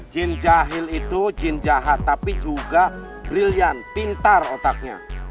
jin jahil itu jin jahat tapi juga brilliant pintar otaknya